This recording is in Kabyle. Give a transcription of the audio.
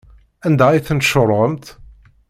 Anda ay ten-tcuṛɛemt?